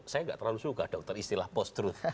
saya nggak terlalu suka dokter istilah post truth